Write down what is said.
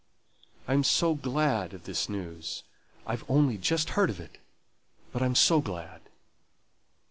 I'm so glad of this news; I've only just heard of it, but I'm so glad!"